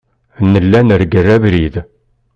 Nella nergel abrid.